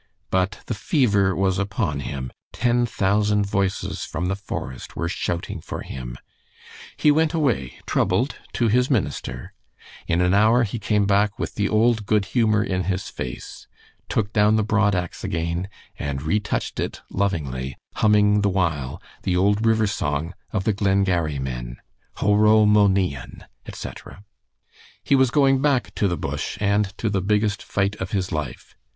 But the fever was upon him, ten thousand voices from the forest were shouting for him. He went away troubled to his minister. In an hour he came back with the old good humor in his face, took down the broad axe again, and retouched it, lovingly, humming the while the old river song of the Glengarry men Ho ro mo nighean, etc. He was going back to the bush and to the biggest fight of his life.